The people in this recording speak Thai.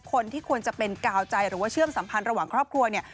คนที่ควรจะเป็นกาวใจหรือว่าเชื่อมสัมพันธ์ระหว่างครอบครัวเนี่ย